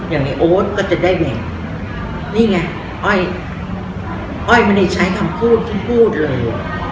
อย่างในโอ๊ตก็จะได้แบ่งนี่ไงอ้อยอ้อยไม่ได้ใช้คำพูดที่พูดเลย